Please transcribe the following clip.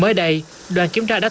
mới đây đoàn kiểm tra đất nước